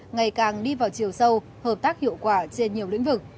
ngày càng đi vào chiều sâu hợp tác hiệu quả trên nhiều lĩnh vực